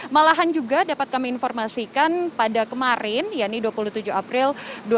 malahan juga dapat kami informasikan pada kemarin ya ini dua puluh tujuh april dua ribu dua puluh